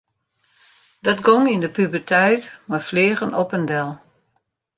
Dat gong yn de puberteit mei fleagen op en del.